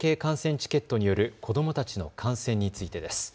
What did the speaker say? チケットによる子どもたちの観戦についてです。